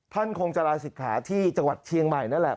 ท่านคงจะลาศิกขาที่จังหวัดเชียงใหม่นั่นแหละ